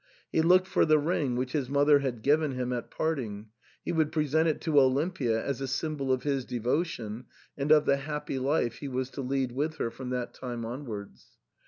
He looked for the ring which his mother had given him at parting ; he would present it to Olimpia as a symbol of his devotion, and of the happy life he was to lead with her from that time onwards.